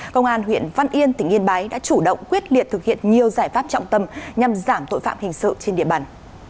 công an huyện văn yên tỉnh yên bái đã chủ động quyết liệt thực hiện nhiều giải pháp trọng tâm nhằm giảm tội phạm hình sự trên địa bàn